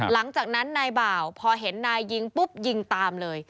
หลังจากนั้นนายบ่าวพอเห็นนายยิงปุ๊บยิงตามเลย